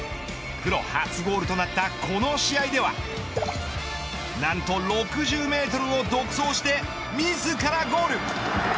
プロ初ゴールとなったこの試合では何と６０メートルを独走して自らゴール。